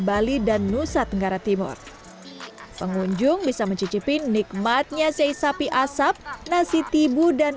bali dan nusa tenggara timur pengunjung bisa mencicipi nikmatnya si sapi asap nasi tibu dan